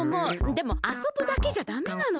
でもあそぶだけじゃダメなの。